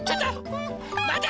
まて！